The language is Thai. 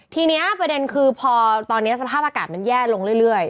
ทีนี้ประเด็นคือพอตอนนี้สภาพอากาศมันแย่ลงเรื่อย